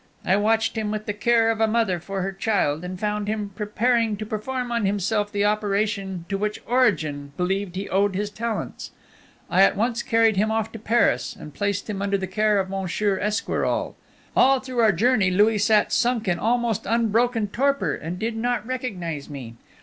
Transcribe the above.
I watched him with the care of a mother for her child, and found him preparing to perform on himself the operation to which Origen believed he owed his talents. I at once carried him off to Paris, and placed him under the care of Monsieur Esquirol. All through our journey Louis sat sunk in almost unbroken torpor, and did not recognize me.